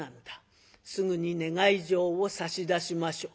すぐに願い状を差し出しましょう」。